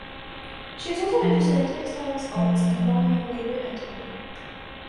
She is also interested in textiles arts embodying labour and time.